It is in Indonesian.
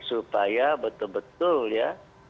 supaya betul betul ya